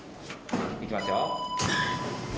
行きますよ。